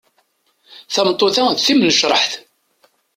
Tameṭṭut-a d timnecreḥt.